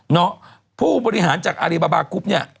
ผู้บริหารจากอารีบาบากรุ๊ปเนี่ย